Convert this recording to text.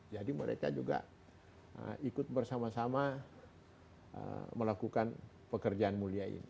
jadi mereka juga ikut bersama sama melakukan pekerjaan mulia ini